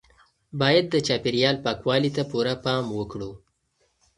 باید د چاپیریال پاکوالي ته پوره پام وکړو.